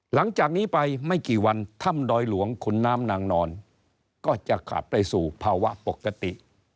หลังจากนี้ไปไม่กี่วันถ้ำดอยหลวงขุนน้ำนางนอนก็จะกลับไปสู่ภาวะปกติ